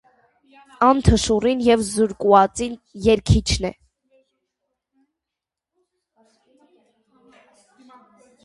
Ան թշուառին եւ զրկուածին երգիչն է։